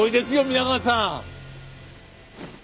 皆川さん？